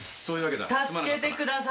そういうわけだ。